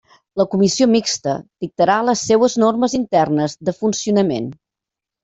La Comissió Mixta dictarà les seues normes internes de funcionament.